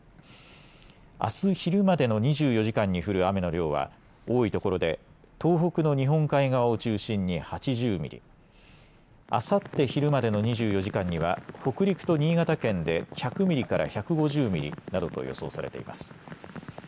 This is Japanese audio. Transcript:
あす昼までの２４時間に降る雨の量は多いところで東北の日本海側を中心に８０ミリ、あさって昼までの２４時間には北陸と新潟県で１００ミリから１５０ミリなどと予想されています。